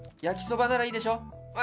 焼きそばならいいでしょ。